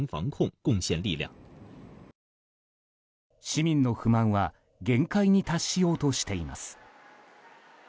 市民の不満は限界に達しようとしています。